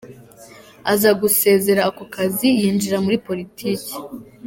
Aza gusezera ako kazi yinjira muri poritiki.